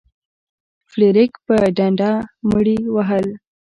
فلیریک په ډنډه مړي وهل.